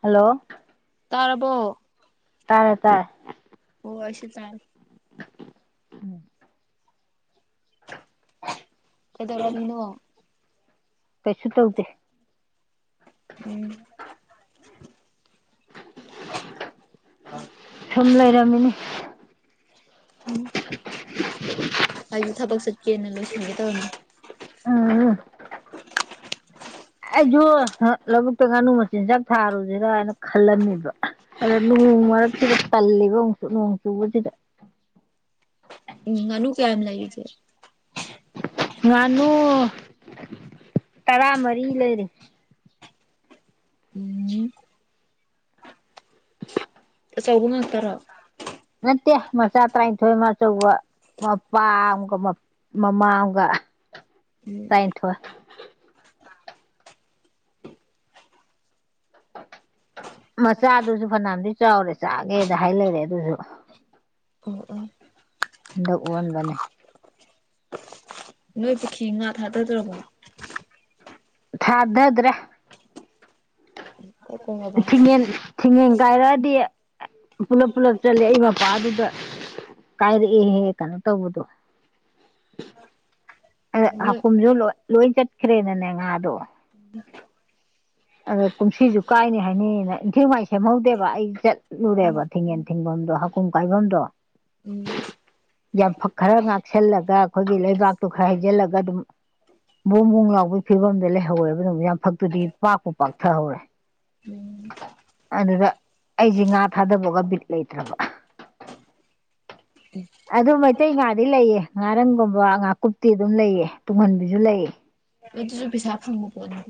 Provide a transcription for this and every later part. hello ꯇꯔꯔꯕꯣ ꯇꯥꯔꯦ ꯇꯥꯔꯦ ꯑꯣ ꯑꯁꯤ ꯆꯥꯏ ꯎꯝ [unintelligible] ꯑꯦꯗꯅꯣ ꯀꯩꯁꯨ ꯇꯧꯗꯦ ꯎꯝ ꯁꯨꯝ ꯂꯩꯔꯝꯃꯤꯅꯦ [inaudible] ꯑꯩꯗꯤ ꯊꯕꯛ ꯆꯠꯀꯦꯅ ꯂꯣꯏꯁꯤꯟꯒꯦ ꯇꯧꯅꯤ ꯎꯝ ꯑꯩꯁꯨ ꯂꯧꯕꯨꯛꯇ ꯉꯥꯅꯨ ꯃꯆꯤꯟꯖꯥꯛ ꯊꯥꯔꯨꯁꯤꯔꯥ ꯍꯥꯏꯅ ꯈꯜꯂꯝꯃꯦꯕ ꯑꯗ ꯅꯣꯡ ꯃꯔꯛꯁꯤꯗ ꯇꯜꯂꯦꯕ ꯑꯃꯨꯛ ꯅꯣꯡ ꯆꯨꯕꯁꯤꯗ ꯎꯝ ꯑꯅꯨ ꯀꯝ ꯂꯏꯦꯁꯦ ꯉꯥꯅꯨ ꯇꯔꯥꯃꯔꯤ ꯂꯩꯔꯦ ꯎ ꯆꯧꯒ ꯉꯠꯇꯔꯣ ꯅꯠꯇꯦ ꯃꯆꯥ ꯇꯔꯥꯅꯤꯊꯣꯏ ꯑꯃꯆꯧꯕ ꯃꯄꯥ ꯑꯃꯒ ꯃꯃꯥ ꯑꯃꯒ ꯎꯝ ꯇꯔꯥꯅꯤꯊꯣꯏ ꯃꯆꯥꯗꯨꯁꯨ ꯐꯅꯝꯗꯤ ꯆꯥꯎꯔꯦ ꯆꯥꯒꯦꯗ ꯍꯥꯏ ꯂꯩꯔꯦ ꯑꯗꯨꯁꯨ ꯍ ꯑ ꯍꯟꯗꯛ ꯑꯣꯍꯟꯕꯅꯦ ꯅꯣꯏ ꯄꯨꯈꯤ ꯉꯥ ꯊꯥꯗꯗꯧꯔꯕꯕꯣ ꯊꯥꯗꯗ꯭ꯔꯥ ꯎ ꯊꯤꯡꯉꯦꯟ ꯊꯤꯡꯉꯦꯟ ꯀꯥꯏꯔꯛꯑꯗꯤ ꯄꯨꯂꯞ ꯄꯨꯜꯂꯞ ꯆꯠꯂ ꯑꯩ ꯃꯄꯥꯗꯨꯗ ꯀꯥꯏꯔꯛꯑꯦꯍꯦ ꯀꯩꯅꯣ ꯇꯧꯕꯗꯣ ꯑ ꯅꯣꯏ ꯍꯀꯨꯝꯁꯨ ꯂꯣꯏ ꯆꯠꯈ꯭ꯔꯦꯅꯅꯦ ꯉꯥꯗꯣ ꯎ ꯑꯗꯣ ꯀꯨꯝꯁꯤꯁꯨ ꯀꯥꯏꯅꯤ ꯍꯥꯏꯅꯤꯅ ꯏꯟꯊꯤ ꯃꯥꯏ ꯁꯦꯝꯍꯧꯗꯦꯕ ꯑꯩ ꯆꯠ ꯎꯝ ꯂꯨꯔꯦꯕ ꯊꯤꯡꯉꯟ ꯊꯤꯡꯐꯝꯗꯣ ꯍꯥꯀꯨꯝ ꯀꯥꯏꯐꯝꯗꯣ ꯎꯝ ꯌꯥꯝꯐꯛ ꯈꯔ ꯉꯥꯛꯁꯜꯂꯒ ꯑꯩꯈꯣꯏꯒꯤ ꯂꯩꯕꯥꯛꯇꯨ ꯈꯔ ꯍꯩꯖꯤꯜꯂꯒ ꯑꯗꯨꯝ ꯕꯣ ꯕꯣꯡ ꯂꯥꯎꯕꯒꯤ ꯐꯤꯕꯝꯗ ꯂꯩꯍꯧꯋꯦꯕ ꯅ ꯌꯥꯝ ꯐꯛꯇꯨꯗꯤ ꯄꯥꯛꯄꯨ ꯄꯥꯛꯊꯍꯧꯔꯦ ꯎꯝ ꯑꯗꯨꯗ ꯑꯩꯁꯦ ꯉꯥ ꯊꯥꯗꯕꯒ ꯕꯤꯠ ꯂꯩꯇ꯭ꯔꯕ ꯑꯗꯨ ꯃꯩꯇꯩ ꯉꯥꯗꯤ ꯂꯩꯑ ꯉꯥꯔꯪꯒꯨꯝꯕ ꯉꯥꯀꯨꯞꯇꯤ ꯑꯗꯨꯝ ꯂꯩꯑ ꯇꯨꯡꯍꯟꯕꯤꯁꯨ ꯂꯩꯑ ꯑꯩꯠꯇꯤꯔꯨ ꯄꯁ ꯍꯥꯞ ꯐꯪꯕ ꯄꯣꯠꯅꯤ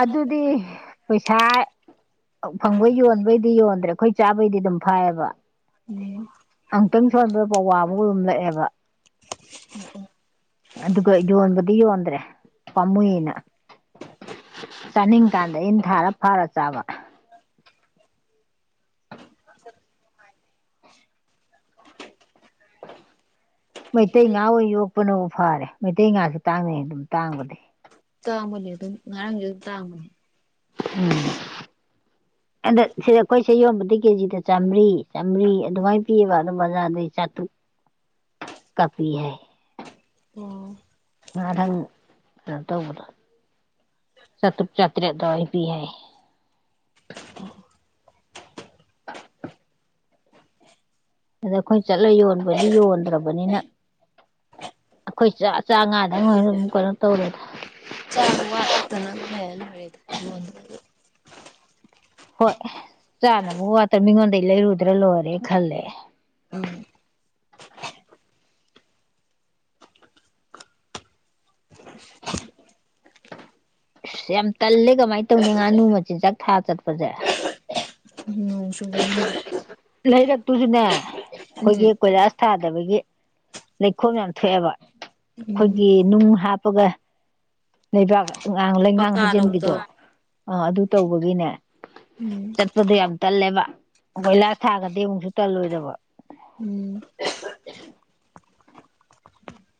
ꯑꯗꯨꯗꯤ ꯄꯩꯁꯥ ꯐꯪꯕꯩ ꯌꯣꯟꯕꯩꯗꯤ ꯌꯣꯟꯗ꯭ꯔꯦ ꯑꯩꯈꯣꯏ ꯆꯥꯕꯩꯗꯤ ꯑꯗꯨꯝ ꯐꯌꯦꯕ ꯎꯝ ꯑꯃꯨꯛꯇꯪ ꯁꯣꯟꯕꯗ ꯄꯋꯥ ꯑꯥꯃꯥ ꯒꯨꯝꯕ ꯂꯛꯑꯦꯕ ꯎꯝ ꯎꯝ ꯑꯗꯨꯒ ꯌꯣꯟꯕꯗꯤ ꯌꯣꯟꯗ꯭ꯔꯦ ꯄꯥꯝꯃꯨꯏꯅ ꯆꯥꯅꯤꯡꯀꯥꯟꯗ ꯏꯟꯊꯥꯔ ꯐꯔ ꯆꯥꯕ ꯃꯩꯇꯩ ꯉꯥꯍꯣꯏ ꯌꯣꯛꯄꯅꯕꯨ ꯐꯔꯦ ꯃꯩꯇꯩ ꯉꯥꯥꯁ ꯇꯥꯡꯅꯩ ꯑꯗꯨꯝ ꯇꯥꯡꯕꯗꯤ ꯇꯥꯡꯕꯅꯤ ꯑꯗꯨꯝ ꯉꯔꯥꯡꯁꯨ ꯑꯗꯨ ꯇꯥꯡꯕꯅꯤ ꯎꯝ [inaudible] ꯑꯗ ꯁꯤꯗ ꯑꯩꯈꯣꯏꯁꯦ ꯌꯣꯟꯕꯗꯤ ꯀꯦꯖꯤꯗ ꯆꯥꯝꯃꯔꯤ ꯆꯥꯝꯃꯔꯤ ꯑꯗꯨꯃꯥꯏꯅ ꯄꯤꯌꯦꯕ ꯑꯗꯣ ꯕꯖꯥꯔꯗꯩ ꯆꯥꯇ꯭ꯔꯨꯛ [inaudible] ꯀꯐꯤ ꯍꯥꯏ ꯑꯣꯝ ꯉꯊꯪ ꯀꯩꯅꯣ ꯇꯧꯕꯗꯣ ꯆꯥꯇ꯭ꯔꯨꯛ ꯆꯥꯇ꯭ꯔꯦꯠꯠꯇꯣ ꯑꯩ ꯄꯤ ꯍꯥꯏꯌꯦ [inaudible] ꯑꯗ ꯑꯩꯈꯣꯏ ꯆꯠꯂ ꯌꯣꯟꯕꯗꯤ ꯌꯣꯟꯗ꯭ꯔꯕꯅꯤꯅ ꯑꯩꯈꯣꯏ ꯆ ꯑ ꯆꯆꯥꯉꯥꯗꯣꯏꯅ ꯑꯗꯨꯝ ꯀꯩꯅꯣ ꯇꯧꯔꯦꯗ ꯆꯥꯕꯥ ꯋꯇꯅꯕ ꯂꯩꯔꯥ ꯂꯣꯏꯔꯦꯗꯥ ꯌꯣꯟꯕꯩꯗꯤ ꯍꯣꯏ ꯆꯥꯅꯕ ꯋꯥꯇ ꯃꯤꯉꯣꯟꯗꯒꯤꯩ ꯂꯩꯔꯨꯗ꯭ꯔꯥ ꯂꯣꯏꯔꯦ ꯈꯜꯂꯦ ꯎꯝ ꯑꯁ ꯌꯥꯝ ꯇꯜꯂꯦ ꯀꯃꯥꯏꯅ ꯇꯧꯅꯤ ꯉꯥꯅꯨ ꯃꯆꯤꯟꯖꯥꯛ ꯊꯥ ꯆꯠꯄꯁꯦ ꯅꯣꯡ [unintelligible] ꯂꯩꯔꯛꯇꯨꯁꯨꯅꯦ ꯎꯝ ꯑꯩꯈꯣꯏꯒꯤ ꯀꯣꯏꯂꯥꯁ ꯊꯥꯗꯕꯒꯤ ꯂꯩꯈꯣꯝ ꯌꯥꯝ ꯊꯣꯛꯑꯦꯕ ꯎꯝ ꯑꯩꯈꯣꯏꯒꯤ ꯅꯨꯡ ꯍꯥꯞ ꯍꯥꯄꯒ ꯂꯩꯕꯥꯛ ꯑꯉꯥꯡ ꯂꯩꯉꯥꯡ ꯄꯀꯥ ꯍꯩꯖꯤꯟꯕꯤꯗꯣ ꯂꯧꯕꯗꯣ ꯑꯥ ꯑꯗꯨ ꯇꯧꯕꯒꯤꯅꯦ ꯎꯝ ꯆꯠꯄꯗꯨꯣ ꯌꯥꯝ ꯇꯜꯂꯦꯕ ꯀꯣꯏꯂꯥꯁ ꯊꯥꯒꯗꯤ ꯑꯃꯨꯛꯁꯨ ꯇꯜꯂꯣꯏꯗꯕ ꯎꯝ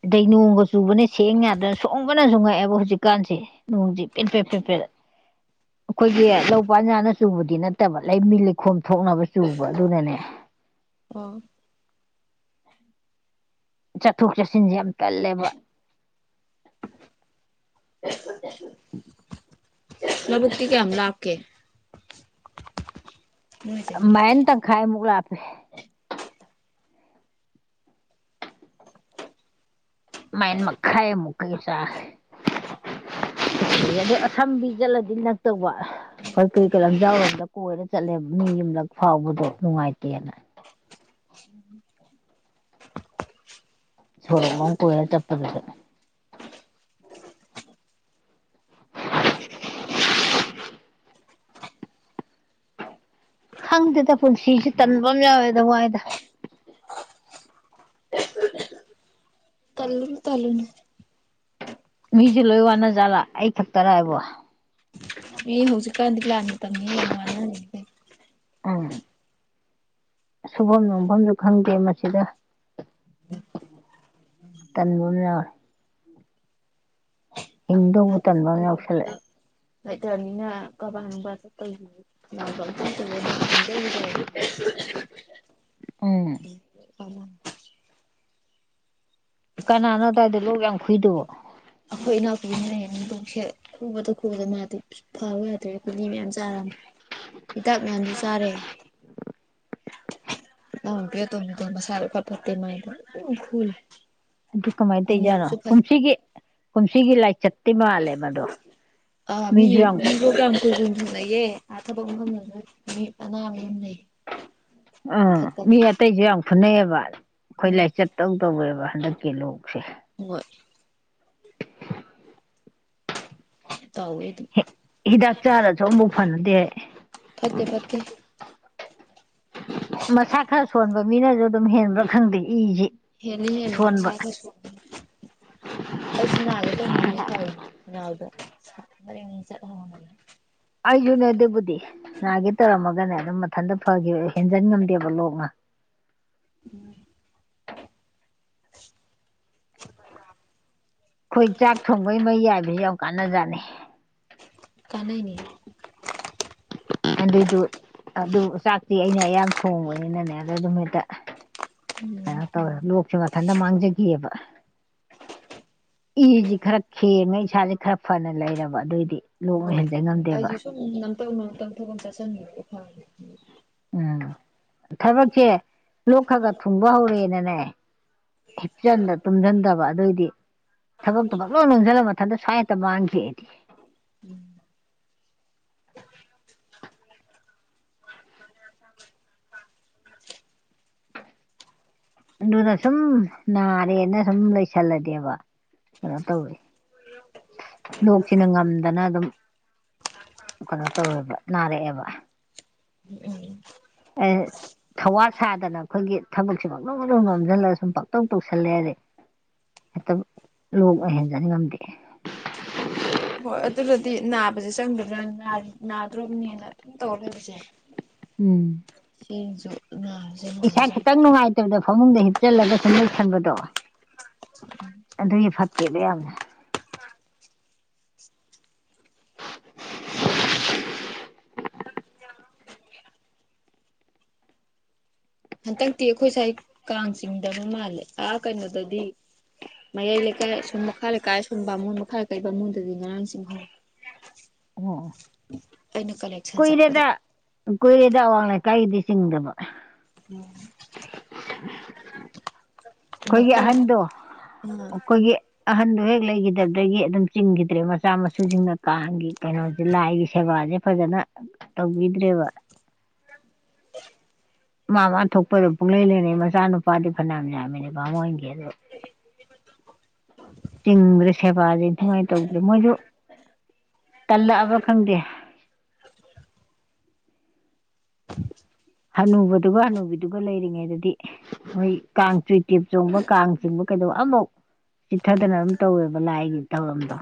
ꯑꯗꯩ ꯅꯣꯡꯒ ꯆꯨꯕꯅ ꯁꯦꯡ ꯌꯥꯗꯕꯅꯥ ꯁꯣꯡꯕꯅꯁꯨ ꯉꯛꯑꯦꯕ ꯍꯧꯖꯤꯛꯀꯥꯟꯁꯦ ꯅꯣꯡꯖꯤ ꯄꯤ ꯄꯦ ꯄ ꯄꯦ ꯑꯩꯈꯣꯏꯒꯤ ꯂꯧ ꯄꯥꯟ ꯌꯥꯅꯕꯥ ꯆꯨꯕꯗꯤ ꯅꯠꯇꯕ ꯂꯝꯕꯤ ꯂꯩꯈꯣꯝ ꯊꯣꯛꯅꯕ ꯆꯨꯕ ꯑꯗꯨꯅꯅꯦ [unintelligible] ꯆꯠꯊꯣꯛ ꯆꯠꯁꯤꯟꯁꯦ ꯌꯥꯝ ꯇꯜꯂꯦꯕ ꯂꯕꯨꯛꯛꯇꯤ ꯀꯌꯥꯝ ꯂꯞꯀꯦ ꯅꯣꯏꯗꯒꯤ ꯃꯥꯏꯟ ꯇꯪꯈꯥꯏꯃꯨꯛ ꯂꯥꯞꯄꯦ ꯃꯥꯏꯟ ꯃꯈꯥꯏ ꯃꯨꯛꯀꯤ ꯆꯥꯡ ꯑꯗꯨ ꯑꯁꯝꯕꯤ ꯆꯠꯂꯗꯤ ꯅꯛꯇꯧꯕ ꯍꯣꯏ ꯀꯩ ꯀꯩ ꯂꯝꯖꯥꯎꯔꯣꯝꯗ ꯀꯣꯏꯔꯅ ꯆꯠꯂꯦꯕ ꯃꯤ ꯌꯨꯝꯂꯛ ꯐꯥꯎꯕꯗꯣ ꯅꯨꯡꯉꯥꯏꯇꯦꯅ ꯁꯣꯔꯣꯛ ꯑꯃ ꯀꯣꯏꯔꯒ ꯆꯠꯄꯗꯨꯗ [inaudible] ꯈꯪꯗꯦꯗ ꯄꯨꯟꯁꯤꯁꯤ ꯇꯟꯕ ꯑꯃ ꯌꯥꯎꯋꯦꯗ ꯋꯥꯏꯗ ꯇꯟꯂꯨꯅꯨ ꯇꯟꯂꯨꯅꯨ ꯃꯤꯁꯦ ꯂꯣꯏ ꯋꯥꯅ ꯖꯥꯠꯂꯥ ꯑꯩ ꯈꯛꯇꯔ ꯍꯥꯏꯕꯣ ꯃꯤ ꯍꯧꯖꯤꯛꯀꯥꯟꯗꯤ ꯂꯥꯟ ꯒꯤ ꯇꯝꯅꯤ ꯌꯥꯝ ꯋꯥꯅꯔꯤꯅꯤ [unintelligible] ꯁꯨꯐꯝ ꯅꯣꯝꯐꯝꯁꯨ ꯈꯪꯗꯦ ꯃꯁꯤꯗ ꯇꯟꯕꯥ ꯑꯃ ꯌꯧꯏ ꯍꯤꯡꯗꯧꯕ ꯇꯟꯕ ꯑꯃ ꯌꯥꯎꯁꯜꯂꯛꯑꯦ ꯂꯩꯇ꯭ꯔꯅꯤꯅ ꯀꯕꯥ ꯅꯨꯡꯕꯥ ꯆꯠꯄꯥ ꯎꯝ [unintelligible] [unintelligible] ꯀꯅꯥꯅꯣ ꯑꯗꯨꯋꯥꯏꯗ ꯂꯣꯛ ꯌꯥꯝ ꯈꯨꯏꯗꯣꯑꯣ ꯑꯩꯈꯣꯏ ꯏꯅꯥꯎꯄꯤꯅꯦ ꯂꯣꯛꯁꯦ ꯈꯨꯕꯗ ꯈꯨꯕꯗ ꯃꯥꯗꯤ ꯐꯕ ꯌꯥꯗ꯭ꯔꯦ ꯒꯨꯂꯤ ꯃꯌꯥꯝ ꯆꯥꯔꯝꯃꯦ ꯍꯤꯗꯥꯛ ꯃꯌꯥꯝꯁꯨ ꯆꯥꯔꯦ [unintelligible] ꯑꯗꯨ ꯀꯃꯥꯏꯅ ꯇꯧꯏꯖꯥꯠꯅꯣ ꯑꯃꯨꯛꯁꯨ ꯐꯠ ꯀꯨꯝꯁꯤꯒꯤ ꯀꯨꯝꯁꯤꯒꯤ ꯂꯥꯏꯆꯠꯇꯤ ꯃꯥꯜꯂꯦ ꯃꯗꯣ ꯃꯤꯖꯨ ꯌꯥꯝ ꯂꯩꯌꯦ ꯑꯥ ꯊꯕꯛ ꯃꯐꯝꯗꯨꯗ ꯃꯤ ꯑꯅꯥ ꯃꯌꯥꯝ ꯂꯩ ꯑ ꯐꯠꯇ ꯃꯤ ꯑꯇꯩꯖꯨ ꯌꯥꯝ ꯐꯨꯅꯩꯌꯦꯕ ꯑꯩꯈꯣꯏ ꯎꯝ ꯂꯥꯏꯆꯠ ꯇꯧ ꯇꯧꯋꯦꯕ ꯍꯟꯗꯛꯀꯤ ꯂꯣꯛꯁꯦ ꯍꯣꯏ ꯇꯧꯋꯦ ꯑꯗꯨꯝ ꯍꯤꯗꯥꯛ ꯆꯥꯔꯁꯨ ꯑꯃꯨꯐꯛ ꯐꯅꯗꯦ ꯐꯠꯇꯦ ꯐꯠꯇꯦ ꯃꯁꯥ ꯈꯔ ꯁꯣꯟꯕ ꯃꯤꯅꯁꯨ ꯑꯗꯨꯝ ꯍꯦꯟꯕ꯭ꯔꯥ ꯈꯪꯗꯦ ꯏꯁꯤ ꯍꯦꯜꯂꯤ ꯍꯦꯜꯂꯤ ꯃꯁꯥ ꯁꯣꯟꯕ ꯈꯔ ꯁꯤꯟꯕ ꯑꯩꯁꯨ ꯅꯥꯒꯦ ꯇꯧꯅꯕꯅꯤ ꯐꯔꯤꯅꯦ [unintelligible] ꯑꯩꯁꯨꯅꯦ ꯑꯗꯨꯕꯨꯗꯤ ꯅꯥꯒꯤ ꯇꯧꯔꯝꯃꯒꯅꯦ ꯑꯗꯨꯝ ꯃꯊꯟꯇ ꯐꯈꯤꯕ ꯍꯦꯟꯖꯟ ꯉꯝꯗꯦꯕ ꯂꯣꯛꯅ ꯎꯝ ꯑꯩꯈꯣꯏ ꯆꯥꯛ ꯊꯣꯡꯕꯩ ꯃꯩ ꯌꯥꯏꯕꯕꯁꯤ ꯌꯥꯝ ꯀꯥꯟꯅꯖꯥꯠꯅꯤ ꯀꯅꯥꯩꯅꯦ ꯑꯗꯨꯏꯗꯨ ꯑꯗꯨ ꯆꯥꯛꯇꯤ ꯑꯩꯅ ꯑꯌꯥꯝ ꯊꯣꯡꯕꯅꯤꯅꯅꯦ ꯑꯗ ꯗꯨꯝꯃꯤꯠꯇ ꯎꯝ ꯀꯩꯅꯣ ꯇꯧꯋꯦ ꯂꯣꯛꯁꯨ ꯃꯊꯟꯇ ꯃꯥꯡꯖꯒꯤꯑꯕ ꯏꯖꯤ ꯈꯔ ꯈꯦꯡꯉꯦ ꯑꯩꯅ ꯏꯁꯥꯥꯖꯦ ꯈꯔ ꯐꯅ ꯂꯩꯔꯕ ꯑꯗꯨꯏꯗꯤ ꯍꯣꯏ ꯑꯩꯖꯨ ꯁꯨꯝ ꯅꯝꯇꯧ ꯅꯝꯇꯧ ꯊꯕꯛ ꯆꯠꯁꯤꯟꯕꯤꯔ ꯐꯥꯔꯦ ꯎꯝ ꯊꯕꯛꯁꯦ ꯂꯣꯛ ꯈꯥ ꯈꯥ ꯊꯨꯡꯕ ꯍꯧꯔꯦꯅꯅꯦ ꯍꯤꯞꯆꯟꯕ ꯇꯨꯝꯖꯟꯗꯕ ꯑꯗꯨꯏꯗꯤ ꯊꯕꯛꯇ ꯄꯛꯂꯣꯏ ꯅꯣꯝꯖꯜꯂꯕ ꯑꯗ ꯁ꯭ꯋꯥꯏ ꯍꯦꯛꯇ ꯃꯥꯡꯒꯤ ꯑꯩꯗꯤ [unintelligible] [unintelligible] ꯑꯗꯨꯗ ꯁꯨꯝ ꯅꯥꯔꯦꯅ ꯁꯨꯝ ꯂꯩꯁꯜꯂꯗꯤꯕ ꯀꯩꯅꯣ ꯇꯧꯋꯦ ꯂꯣꯛꯁꯤꯅ ꯉꯝ ꯗꯅ ꯑꯗꯨꯝ ꯀꯩꯅꯣ ꯇꯧꯋꯦꯕ ꯅꯥꯔꯛꯑꯦꯕ [unintelligible] ꯑꯦ [unintelligible] ꯊꯋꯥ ꯁꯥꯗꯅ ꯑꯈꯣꯏꯒꯤ ꯊꯕꯛꯁꯦ ꯄꯛꯅꯣꯝꯄꯛꯅꯣꯝ ꯅꯣꯝꯖꯜꯂꯒ ꯁꯨꯝ ꯄꯥꯛꯇꯧ ꯇꯧꯁꯜꯂꯦ ꯑꯗꯩ ꯍꯦꯛꯇꯕꯛ ꯂꯣꯛꯄꯛ ꯍꯦꯟꯖꯟ ꯉꯝꯗꯦ ꯍꯣꯏ ꯑꯗꯨꯒꯗꯤ ꯅꯥꯕꯖꯦ ꯆꯪꯒꯗ꯭ꯔꯥꯅ ꯅꯥꯏ ꯅꯥꯗ꯭ꯔꯣꯕꯅꯦꯅ ꯑꯗꯨꯝ ꯇꯧꯔ ꯂꯩꯕꯖꯦ ꯎꯝ ꯁꯤꯡꯖꯨꯛ ꯅꯥꯔꯦ ꯏꯁꯥ ꯈꯤꯇꯪ ꯅꯨꯡꯉꯥꯏꯇꯕꯗ ꯐꯥꯃꯨꯡꯗ ꯍꯤꯞꯆꯜꯂꯒ ꯁꯨꯝ ꯂꯩꯁꯟꯕꯗꯣ ꯑꯗꯨꯏ ꯐꯠꯇꯦꯗ ꯌꯥꯝꯅ ꯍꯟꯇꯛꯇꯤ ꯑꯩꯈꯣꯏ ꯁꯥꯏ ꯀꯥꯡ ꯆꯤꯡꯗꯅ ꯃꯥꯜꯂꯦ ꯑ ꯀꯩꯅꯣꯗꯗꯤ ꯃꯌꯥꯏ ꯂꯩꯀꯥꯏ ꯑꯁꯣꯝ ꯃꯈꯥ ꯂꯩꯀꯥꯏ ꯑꯁꯣꯝ ꯕꯥꯃꯣꯟ ꯃꯈꯥ ꯂꯩꯀꯥꯏ ꯕꯥꯃꯣꯟꯗꯗꯤ ꯉꯔꯥꯡ ꯆꯤꯡꯍꯧꯋꯤ [unintelligible] ꯑꯣ ꯑꯣ ꯑꯩꯅ ꯀꯥꯂꯦꯛ ꯀꯨꯏꯔꯦꯗ ꯀꯨꯏꯔꯦꯗ ꯑꯋꯥꯡ ꯂꯩꯀꯥꯏꯒꯤꯗꯤ ꯆꯤꯡꯗꯕ [unintelligible] ꯑꯈꯣꯏꯒꯤ ꯑꯍꯟꯗꯣ ꯎꯝ ꯑꯈꯣꯏꯒꯤ ꯑꯍꯟꯗꯨ ꯍꯦꯛ ꯂꯩꯒꯤꯗꯕꯗꯒꯤ ꯑꯗꯨꯝ ꯆꯤꯡꯒꯤꯗ꯭ꯔꯦ ꯃꯆꯥ ꯃꯁꯨꯁꯤꯡꯅ ꯀꯥꯡꯒꯤ ꯀꯩꯅꯣꯖꯦ ꯂꯥꯏꯒꯤ ꯁꯦꯕꯥꯖꯦ ꯐꯖꯅ ꯇꯧꯕꯤꯗ꯭ꯔꯦꯕ [unintelligible] ꯃꯥ ꯃꯥ ꯊꯣꯛꯄꯗꯨꯝ ꯄꯩꯂꯩ ꯂꯩꯅꯩ ꯃꯆꯥ ꯅꯨꯄꯥꯗꯤ ꯐꯅꯌꯥꯝ ꯌꯥꯝꯃꯤꯅꯦ ꯕꯥꯃꯣꯟꯒꯤ ꯑꯗꯨ ꯆꯤꯡꯕꯗ ꯁꯦꯕꯥꯁꯦ ꯅꯤꯡꯊꯤꯉꯥꯏꯅ ꯇꯧꯗꯦ ꯃꯣꯏꯁꯨ ꯇꯜꯂꯛꯑꯕ꯭ꯔꯥ ꯈꯪꯗꯦ ꯍꯅꯨꯕꯗꯨꯒ ꯍꯅꯨꯕꯤꯗꯨꯒ ꯂꯩꯔꯤꯉꯩꯗꯗꯤ ꯃꯣꯏ ꯀꯥꯡ ꯆꯨꯏꯇꯦꯞ ꯆꯣꯡꯕ ꯀꯥꯡ ꯆꯣꯡꯕ ꯀꯩꯗꯣ ꯑꯃꯐꯧ ꯆꯤꯠꯊꯗꯅ ꯑꯗꯨꯝ ꯇꯧꯋꯦꯕ ꯂꯥꯏꯒꯤ ꯊꯧꯔꯝꯗꯣ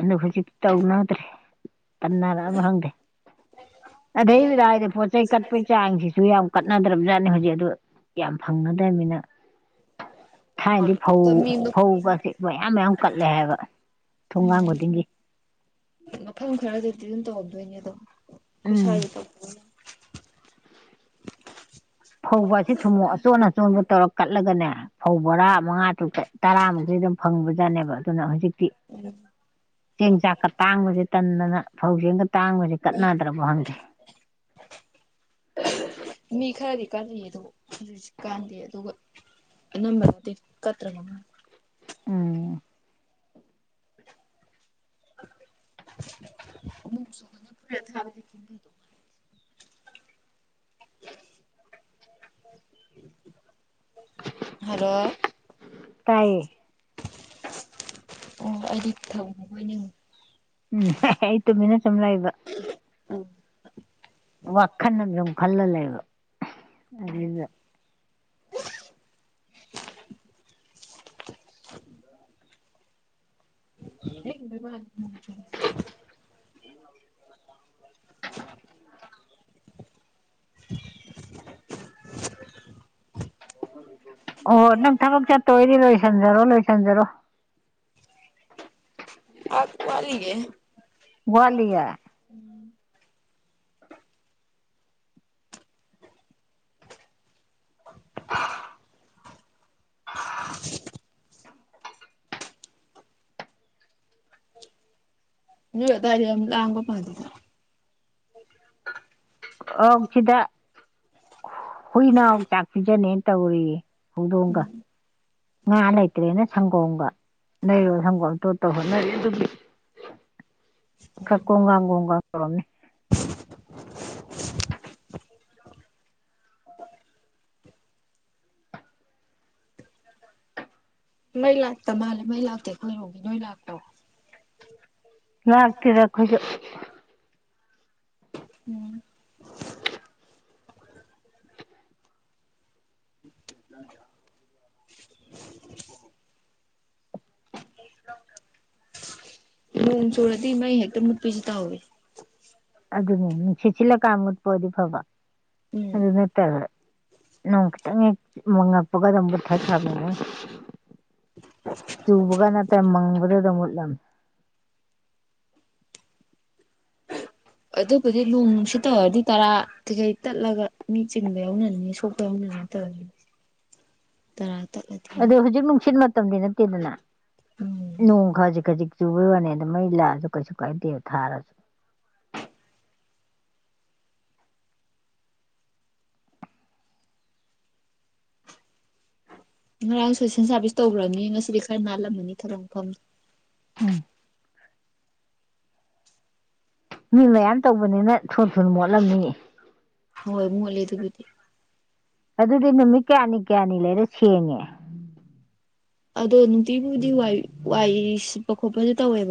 ꯑꯗꯣ ꯍꯧꯖꯤꯛ ꯇꯧꯅꯗ꯭ꯔꯦ ꯇꯟꯅꯔꯛꯑꯕꯔ ꯈꯪꯗꯦ ꯑꯗꯩ ꯂꯥꯏꯗ ꯄꯣꯠ ꯆꯩ ꯀꯠꯄꯒꯤ ꯆꯥꯡꯁꯤꯁꯨ ꯌꯥꯝ ꯀꯠꯅꯗ꯭ꯔꯕꯖꯥꯠꯅꯤ ꯍꯧꯖꯤꯛ ꯑꯗꯨ ꯌꯥꯝ ꯐꯪꯅꯗꯕꯅꯤꯅ [unintelligible] ꯊꯥꯏꯅꯗꯤ ꯐꯧ ꯑꯗꯣ ꯃꯤ ꯐꯧ ꯒꯁꯦ ꯃꯌꯥꯝ ꯃꯌꯥꯝ ꯀꯠꯂꯦ ꯍꯥꯏꯕ ꯊꯣꯡꯒꯥꯡ ꯎꯝ ꯈꯨꯗꯤꯡꯒꯤ ꯃꯐꯝ ꯈꯔꯗꯗꯤ ꯑꯗꯨꯝ ꯇꯧꯔꯝꯗꯣꯏꯅꯦ ꯑꯗꯣ ꯑꯈꯣꯏ ꯎꯝ ꯁꯋꯥꯏꯗ ꯇꯧꯗꯕꯩ ꯋꯥꯅꯦ ꯐꯧꯕꯁꯦ ꯊꯨꯝꯃꯣꯛ ꯑꯆꯣꯟ ꯑꯆꯣꯟꯕ ꯇꯧꯔ ꯀꯠꯂꯒꯅꯦ ꯐꯧ ꯕꯣꯔꯥ ꯃꯉꯥ ꯇꯔꯨꯛ ꯊꯣꯛꯑ ꯇꯔꯥꯃꯨꯛꯇꯤ ꯑꯗꯨꯝ ꯐꯪꯕꯖꯥꯠꯅꯦꯕ ꯑꯗꯨꯅ ꯍꯧꯖꯤꯛꯇꯤ ꯎꯝ ꯆꯦꯡ ꯆꯥꯛꯀ ꯇꯥꯡꯕꯖꯤ ꯇꯟꯗꯅ ꯐꯧ ꯆꯦꯡꯒ ꯇꯥꯡꯕꯖꯤ ꯀꯠꯅꯗ꯭ꯔꯕ ꯈꯪꯗꯦ ꯃꯤ ꯈꯔꯗꯤ ꯀꯜꯂꯤꯌꯦ ꯑꯗꯨꯕꯨ ꯍꯧꯖꯤꯛꯁꯤ ꯀꯟꯗꯦ ꯑꯗꯨꯒ ꯅꯝꯕ꯭ꯔꯗꯤ ꯀꯠꯇ ꯉ ꯎꯝ ꯃ ꯌ ꯊꯥꯕꯗꯤ ꯆꯤꯡꯊꯣ [unintelligible] ꯍꯥꯜꯂꯣ ꯇꯥꯏꯌꯦ ꯑꯣ ꯑꯩꯗꯤ ꯊꯝꯈꯔꯕꯣꯏꯅꯤꯡꯉꯤ ꯎꯝ ꯍꯣꯏ ꯑꯩ ꯇꯨꯃꯤꯅꯥ ꯁꯨꯝ ꯂꯩꯕ ꯑꯣ [unintelligible] ꯋꯥꯈꯜ ꯑꯃ ꯁꯨꯝ ꯈꯜꯂ ꯂꯩꯕ ꯑꯗꯨꯗ [unintelligible] [unintelligible] [unintelligible] ꯑꯣ ꯅꯪ ꯊꯕꯛ ꯆꯠꯇꯣꯏꯗꯤ ꯂꯣꯏꯁꯟꯖꯔꯣ ꯂꯣꯏꯁꯟꯖꯔꯣ [unintelligible] ꯋꯥꯠꯂꯤꯌꯦ ꯋꯥꯠꯂꯤꯌꯦ ꯎꯝ ꯅꯣꯏ ꯑꯋꯥꯏꯗ ꯌꯥꯝ ꯂꯥꯡꯕ ꯃꯥꯜꯂꯤ ꯑꯥꯎ ꯁꯤꯗ ꯍꯨꯏꯅꯥꯎ ꯆꯥꯛ ꯄꯤꯖꯟꯦꯅ ꯇꯧꯔꯤ ꯍꯧꯗꯣꯡꯒ ꯎꯝ ꯉꯥ ꯂꯩꯇ꯭ꯔꯦꯅ ꯁꯪꯒꯣꯝꯒ ꯂꯩꯔꯨꯔ ꯁꯪꯒꯣꯝ ꯇꯣꯠꯇꯧ ꯍꯣꯠꯅꯔꯤ ꯈꯔ ꯀꯣꯡ ꯒꯥꯡ ꯀꯣꯡ ꯒꯥꯡ ꯇꯧꯔꯝꯅꯤ ꯃꯩ ꯂꯥꯛꯇ ꯃꯥꯜꯂꯦ ꯃꯩ ꯂꯥꯛꯇꯦ ꯈꯣꯏꯔꯣꯝꯒꯤ ꯅꯣꯏ ꯂꯥꯛꯇꯣ ꯂꯥꯛꯇꯦꯗ ꯑꯩꯈꯣꯏꯁꯨ ꯎꯝ ꯅꯣꯡ ꯆꯨꯔꯗꯤ ꯃꯩ ꯍꯦꯛꯇ ꯃꯨꯠꯄꯤꯁꯤ ꯇꯥꯎꯋꯦ ꯑꯗꯨꯅꯦ ꯅꯨꯡꯁꯤꯠ ꯁꯤꯜꯂꯀꯥꯟ ꯃꯨꯠꯄ ꯑꯣꯏꯗꯤ ꯐꯕ ꯎꯝ ꯑꯗꯨꯅ ꯅꯣꯡ ꯈꯤꯇꯪ ꯍꯦꯛ ꯃꯪꯉꯛꯄꯒ ꯑꯗꯨꯝ ꯃꯨꯊꯠꯈꯔꯕꯅꯦ ꯃꯣꯏ ꯑ [unintelligible] ꯆꯨꯕꯒ ꯅꯠꯇꯦ ꯃꯪꯕꯗꯨꯗ ꯃꯨꯠꯂꯝꯃꯦ ꯑꯗꯨꯕꯨꯗꯤ ꯅꯣꯡ ꯅꯨꯡꯁꯤꯠꯇꯧꯔꯗꯤ ꯇꯔꯥ ꯀꯩꯀꯩ ꯇꯠꯂꯒ ꯃꯤ ꯆꯤꯟꯕ ꯌꯥꯎꯅꯅꯤꯅꯦ ꯁꯣꯛꯄ ꯌꯥꯎꯅꯅꯤ ꯇ [unintelligible] ꯇꯔꯥ ꯇꯠꯂꯗꯤ ꯑꯗꯣ ꯍꯧꯖꯤꯛ ꯅꯨꯡꯁꯤꯠ ꯃꯇꯝꯗꯤ ꯅꯠꯇꯦꯗꯅ ꯎꯝ ꯅꯣꯡ ꯈꯖꯤꯛ ꯈꯖꯤꯛ ꯆꯨꯕ ꯋꯥꯅꯦ ꯑꯗꯨ ꯃꯩ ꯂꯥꯛꯑꯁꯨ ꯀꯩꯁꯨ ꯀꯥꯏꯗꯦꯕ ꯊꯥꯔ ꯉꯔꯥꯡ ꯁꯣꯏꯁꯦꯟ ꯁꯥꯔꯚꯤꯁ ꯇꯧꯈ꯭ꯔꯝꯅꯤ ꯉꯁꯤꯗꯤ ꯈꯔ ꯅꯥꯜꯂꯝꯃꯅꯤ ꯊꯕꯛ ꯃꯐꯝ ꯎꯝ ꯃꯤ ꯃꯌꯥꯝ ꯇꯧꯕꯅꯤꯅ ꯊꯨ ꯊꯨꯟ ꯃꯣꯠꯂꯝꯅꯤꯌꯦ ꯍꯣꯏ ꯃꯣꯠꯂꯦ ꯑꯗꯨꯕꯨꯗꯤ ꯑꯗꯨꯗꯤ ꯅꯨꯃꯤꯠ ꯀꯌꯥꯅꯤ ꯀꯌꯥꯅꯤ ꯂꯩꯔ ꯁꯦꯡꯉꯦ ꯑꯗꯣ ꯅꯨꯡꯇꯤꯕꯨꯗꯤ ꯋꯥꯏ ꯋꯥꯏ ꯁꯤꯠꯄ ꯈꯣꯠꯄꯁꯨ ꯇꯧꯋꯦꯕ